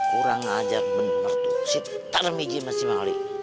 kurang ngajak benar tuh si tarbiji sama si mali